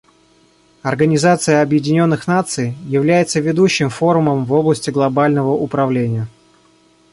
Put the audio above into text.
Организация Объединенных Наций является ведущим форумом в области глобального управления.